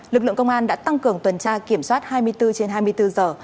lực lượng công an đã tăng cường tuần tra kiểm soát hai mươi bốn trên hai mươi bốn giờ